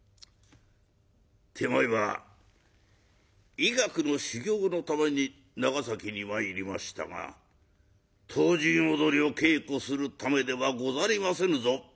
「手前は医学の修業のために長崎に参りましたが唐人踊りを稽古するためではござりませぬぞ」。